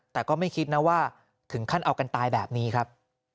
แต่ก็ไม่คิดนะว่าถึงขั้นเอากันตายแบบนี้ครับ